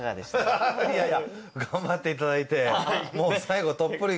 いやいや頑張っていただいてもう最後。